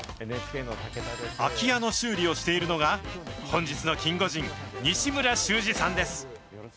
空き家の修理をしているのが、本日のキンゴジン、西村周治さんです。